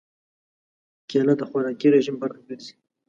کېله د خوراکي رژیم برخه ګرځي.